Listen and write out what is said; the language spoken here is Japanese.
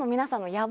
野望。